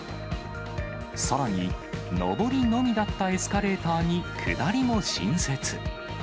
さらに、上りのみだったエスカレーターに下りも新設。